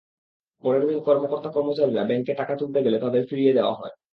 পরের দিন কর্মকর্তা-কর্মচারীরা ব্যাংকে টাকা তুলতে গেলে তাঁদের ফিরিয়ে দেওয়া হয়।